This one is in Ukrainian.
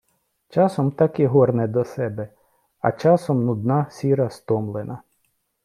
Часом так і горне до себе, а часом нудна, сіра, стомлена.